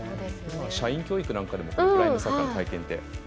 社員教育なんかでもブラインドサッカー体験って。